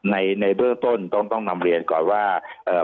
ในในเบื้องต้นต้องต้องนำเรียนก่อนว่าเอ่อ